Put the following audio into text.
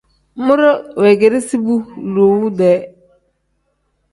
Muure weegeresi bu lowu-dee.